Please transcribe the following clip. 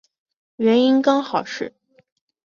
原因刚好是